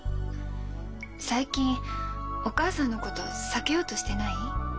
最近お母さんのこと避けようとしてない？